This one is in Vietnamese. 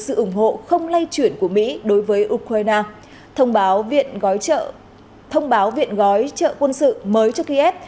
sự ủng hộ không lây chuyển của mỹ đối với ukraine thông báo viện gói chợ quân sự mới cho kiev